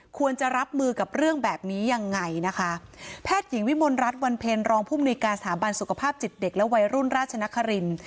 ควรจะรับมือกับเรื่องแบบนี้ยังไงนะคะแพทย์หญิงวิมลรัฐวันเพ็ญรองผู้มนุยการสถาบันสุขภาพจิตเด็กและวัยรุ่นราชนคริน